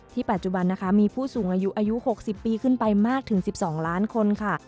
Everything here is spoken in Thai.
ปัจจุบันนะคะมีผู้สูงอายุอายุ๖๐ปีขึ้นไปมากถึง๑๒ล้านคนค่ะ